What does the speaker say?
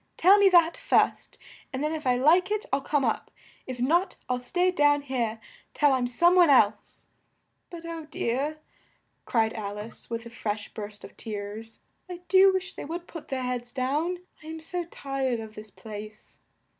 Tell me that first, and then if I like it, I'll come up; if not, I'll stay down here till I'm some one else' but, oh dear," cried Al ice with a fresh burst of tears, "I do wish they would put their heads down! I am so tired of this place!"